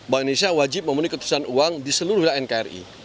bank indonesia wajib memenuhi keputusan uang di seluruh wilayah nkri